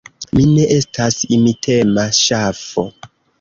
Mi ne estas imitema ŝafo.